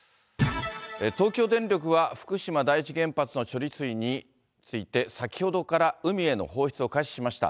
東京電力は、福島第一原発の処理水について、先ほどから海への放出を開始しました。